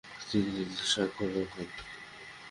তিনি কৃতিত্বের স্বাক্ষর রাখেন।